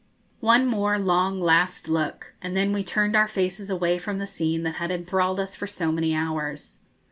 One more long last look, and then we turned our faces away from the scene that had enthralled us for so many hours.